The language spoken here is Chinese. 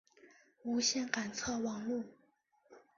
无线感测网路。